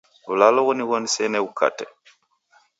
W'ulalo nigho nisene ghukate.